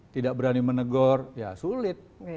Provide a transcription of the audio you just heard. tidak berani menegur ya sulit